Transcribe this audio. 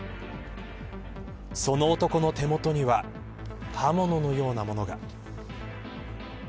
その男の手元には刃物のようなものが。